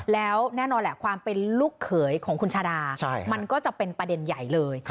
แล้วแน่นอนแหละความเป็นลูกเขยของคุณชาดามันก็จะเป็นประเด็นใหญ่เลย